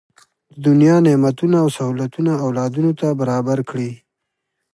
د دنیا نعمتونه او سهولتونه اولادونو ته برابر کړي.